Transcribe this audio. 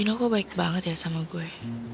jino kok baik banget ya sama gue